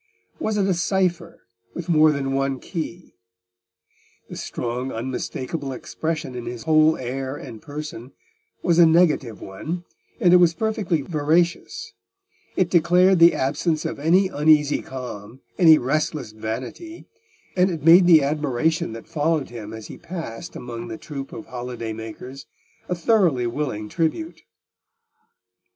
Was it a cypher with more than one key? The strong, unmistakable expression in his whole air and person was a negative one, and it was perfectly veracious; it declared the absence of any uneasy claim, any restless vanity, and it made the admiration that followed him as he passed among the troop of holiday makers a thoroughly willing tribute.